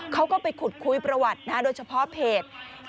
เขาก็ไปขุดคุยประวัติโดยเฉพาะเพจ